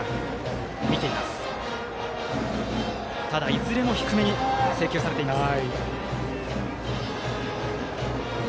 いずれも低めに制球されています。